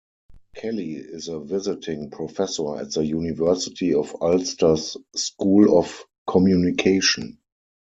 Kelly is a visiting professor at the University of Ulster's School of Communication.